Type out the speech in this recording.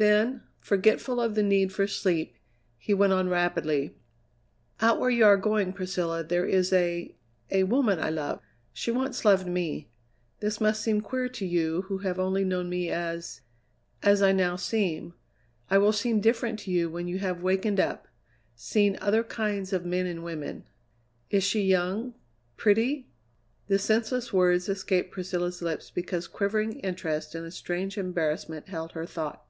Then, forgetful of the need for sleep, he went on rapidly: "Out where you are going, Priscilla, there is a a woman I love; she once loved me. This must seem queer to you who have only known me as as I now seem. I will seem different to you when you have wakened up seen other kinds of men and women." "Is she young pretty?" The senseless words escaped Priscilla's lips because quivering interest and a strange embarrassment held her thought.